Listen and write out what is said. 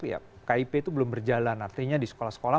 ya kip itu belum berjalan artinya di sekolah sekolah